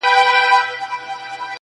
ګوندي خدای مو سي پر مېنه مهربانه٫